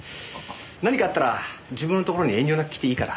何かあったら自分のところに遠慮なく来ていいから。